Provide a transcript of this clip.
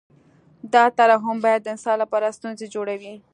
دا ترحم بیا د انسان لپاره ستونزې جوړوي